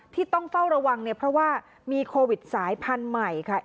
ที่ต้องเฝ้าระวังเนี่ยเพราะว่ามีโควิดสายพันธุ์ใหม่ค่ะ